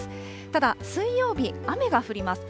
ただ水曜日、雨が降ります。